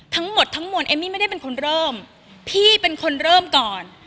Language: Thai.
ทั้งหมดทั้งมวลเอมมี่ไม่ได้เป็นคนเริ่มพี่เป็นคนเริ่มก่อน